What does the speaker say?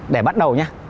để bắt đầu nha